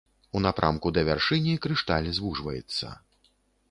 У напрамку да вяршыні крышталь звужваецца.